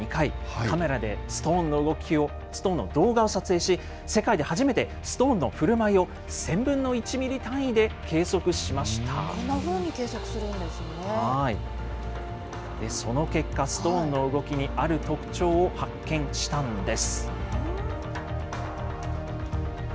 カメラでストーンの動画を撮影し、世界で初めてストーンのふるまいを１０００分の１ミリ単位で計測こんなふうに計測するんですその結果、ストーンの動きにある特徴を発見したんです。